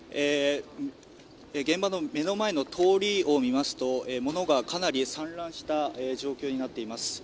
現場の目の前の通りを見ますと物がかなり散乱した状況になっています。